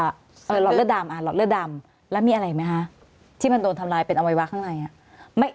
หลอดเลือดดำหลอดเลือดดำแล้วมีอะไรอีกไหมคะที่มันโดนทำลายเป็นอวัยวะข้างในอ่ะ